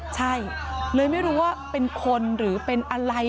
ใช่เลยไม่รู้ว่าเป็นคนหรือเป็นอะไร